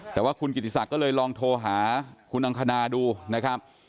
แต่ว่าคุณกิติศักดิ์ก็เลยลองโทรหาคุณอังคณาดูนะครับ